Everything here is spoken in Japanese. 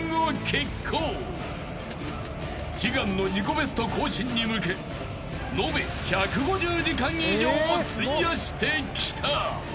ベスト更新に向け延べ１５０時間以上を費やしてきた］